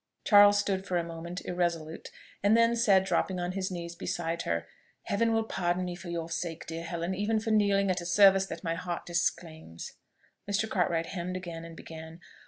Charles stood for a moment irresolute, and then said, dropping on his knees beside her, "Heaven will pardon me for your sake, dear Helen, even for kneeling at a service that my heart disclaims." Mr. Cartwright hemmed again, and began.